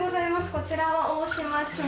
こちらは大島紬。